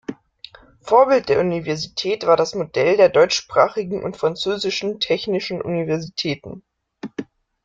Vorbild der Universität war das Modell der deutschsprachigen und französischen technischen Universitäten.